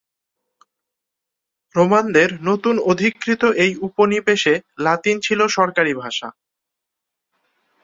রোমানদের নতুন অধিকৃত এই উপনিবেশে লাতিন ছিল সরকারি ভাষা।